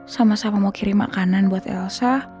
sama sama mau kirim makanan buat elsa